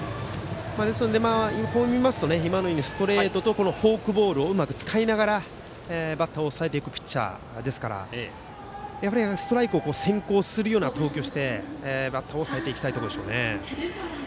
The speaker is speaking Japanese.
ですのでストレートとフォークボールをうまく使いながらバッターを抑えていくピッチャーですからストライクを先行するような投球をしてバッターを抑えていきたいところでしょうね。